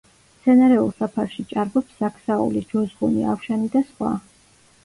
მცენარეულ საფარში ჭარბობს საქსაული, ჯუზღუნი, ავშანი და სხვა.